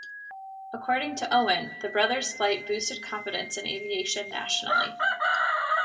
According to Owen, the brothers' flight boosted confidence in aviation nationally.